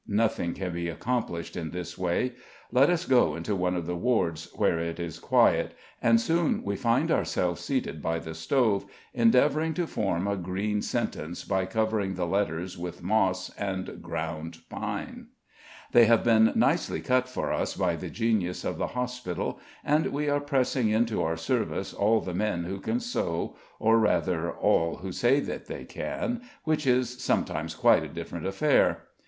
Nothing can be accomplished in this way. Let us go into one of the wards, where it is quiet; and soon we find ourselves seated by the stove, endeavoring to form a green sentence by covering the letters with moss and ground pine; they have been nicely cut for us by the genius of the hospital, and we are pressing into our service all the men who can sew, or rather, all who say that they can, which is sometimes quite a different affair.